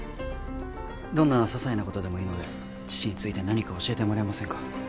どんなささいなことでもいいので父について何か教えてもらえませんか？